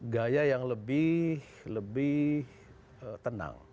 gaya yang lebih tenang